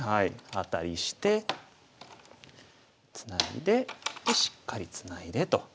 アタリしてツナいででしっかりツナいでと。